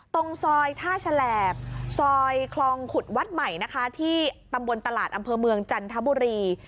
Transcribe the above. ตรงซอยท่าฉลบซอยคลองขุดวัดใหม่นะคะที่ตำบลตลาดอำเภอเมืองจันทบุรี